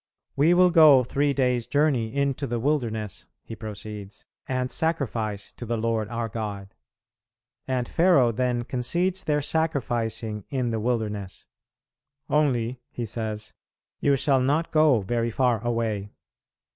"We will go three days' journey into the wilderness," he proceeds, "and sacrifice to the Lord our God;" and Pharaoh then concedes their sacrificing in the wilderness, "only," he says, "you shall not go very far away."